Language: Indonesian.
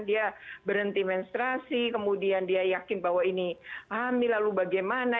dia berhenti menstrasi kemudian dia yakin bahwa ini hamil lalu bagaimana